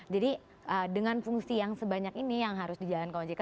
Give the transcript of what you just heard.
jadi dengan fungsi yang sebanyak ini yang harus di jalan ke ojk